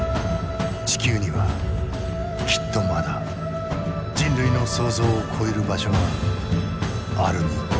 地球にはきっとまだ人類の想像を超える場所があるに違いない。